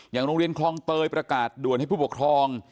โรงเรียนคลองเตยประกาศด่วนให้ผู้ปกครอง